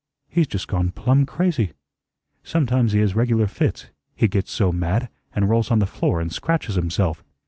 He's just gone plum crazy. Sometimes he has regular fits, he gets so mad, and rolls on the floor and scratches himself."